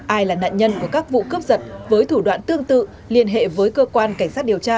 ai là nạn nhân của các vụ cướp giật với thủ đoạn tương tự liên hệ với cơ quan cảnh sát điều tra